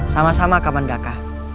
sama sama kaman daka